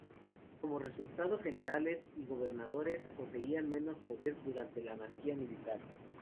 Como resultado, generales y gobernadores poseían menos poder que durante la anarquía militar.